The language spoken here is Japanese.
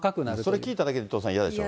それ、聞いただけで、伊藤さん、嫌でしょ。